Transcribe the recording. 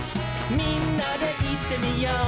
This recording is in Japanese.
「みんなでいってみよう」